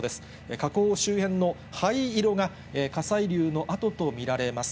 火口周辺の灰色が火砕流の跡と見られます。